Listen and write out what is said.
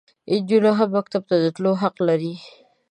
انجونې هم مکتب ته د تللو حق لري.